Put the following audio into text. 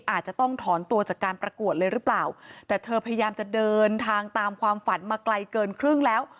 อาจจะต้องถอนตัวจากการประกวดเลยหรือเปล่าแต่เธอพยายามจะเดินทางตามความฝันมาไกลเกินครึ่งแล้ว